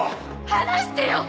離してよ！